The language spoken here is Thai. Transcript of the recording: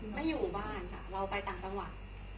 ไม่อยู่บ้านค่ะเราไปต่างจังหวัด